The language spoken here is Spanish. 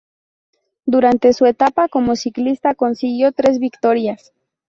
Durante su etapa como ciclista consiguió tres victorias.